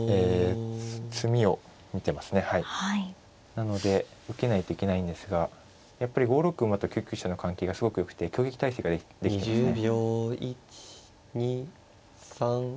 なので受けないといけないんですがやっぱり５六馬と９九飛車の関係がすごくよくて挟撃態勢ができてますね。